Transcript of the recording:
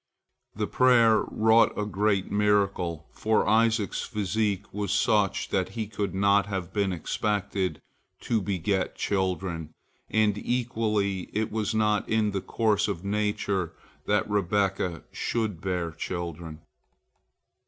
The prayer wrought a great miracle, for Isaac's physique was such that he could not have been expected to beget children, and equally it was not in the course of nature that Rebekah should bear children.